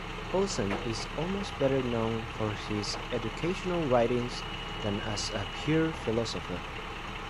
Paulsen is almost better known for his educational writings than as a pure philosopher.